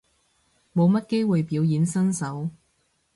冇乜機會表演身手